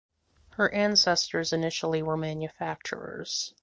Her ancestors initially were manufacturers.